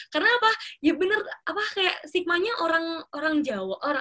karena apa ya bener apa kayak stigmanya orang orang jawa